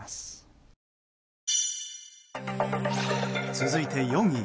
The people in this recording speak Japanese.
続いて４位。